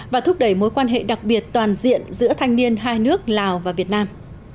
và thúc đẩy mối quan hệ đặc biệt toàn diện giữa thanh niên hai nước lào và việt nam